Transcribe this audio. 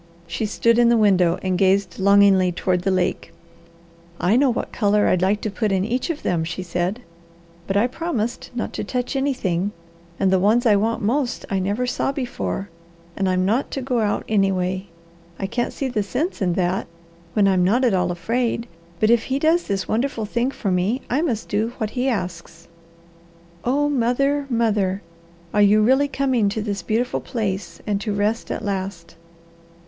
She stood in the window and gazed longingly toward the lake. "I know what colour I'd like to put in each of them," she said, "but I promised not to touch anything, and the ones I want most I never saw before, and I'm not to go out anyway. I can't see the sense in that, when I'm not at all afraid, but if he does this wonderful thing for me I must do what he asks. Oh mother, mother! Are you really coming to this beautiful place and to rest at last?"